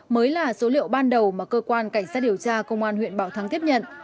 mới là số liệu ban đầu mà cơ quan cảnh sát điều tra công an huyện bảo thắng tiếp nhận